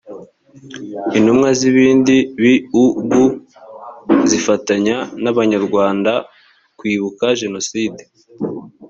intumwa z’ibindi biugu zifatanya n’abanyarwanda kwibuka jenoside